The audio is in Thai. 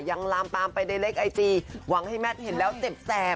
ยังลามตามไปในเล็กไอจีย์หวังให้แมทรณีเห็นแล้วเจ็บแซม